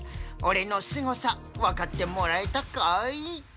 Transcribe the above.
オレのすごさわかってもらえたかい？